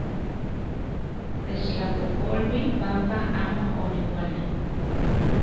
Techtlapojpolui panpa amo oniuala...